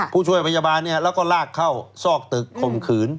ผู้ช่วยพยาบาลแล้วก็ลากเข้าซอกตึกข่มขืน